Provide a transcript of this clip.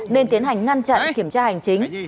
nên tiến hành ngăn chặn kiểm tra hành chính